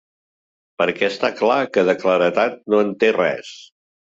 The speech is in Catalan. Perquè està clar que de claredat no en té res.